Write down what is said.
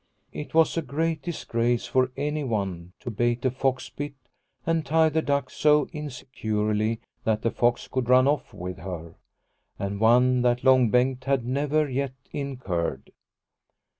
It was a great disgrace for anyone to bait a fox pit and tie the duck 117 1 1 8 Liliecrona's Home so insecurely that the fox could run off with her, and one that Long Bengt had never yet incurred.